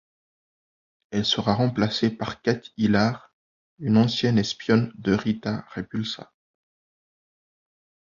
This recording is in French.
Elle sera remplacée par Kat Hillard, une ancienne espionne de Rita Repulsa.